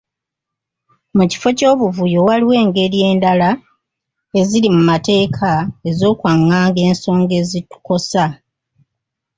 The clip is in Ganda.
Mu kifo ky'obuvuyo waliwo engeri endala eziri mu mateeka ez'okwanganga ensonga ezitukosa.